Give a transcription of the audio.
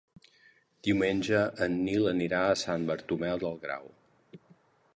Diumenge en Nil anirà a Sant Bartomeu del Grau.